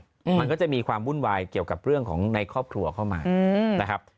มันก็จะมีความวุ่นวายเกี่ยวกับเรื่องของในครอบครัวเข้ามาอืมนะครับ